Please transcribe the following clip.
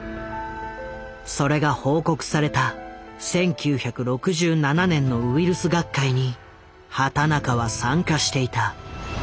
それが報告された１９６７年のウイルス学会に畑中は参加していた。